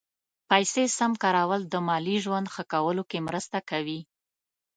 پیسې سم کارول د مالي ژوند ښه کولو کې مرسته کوي.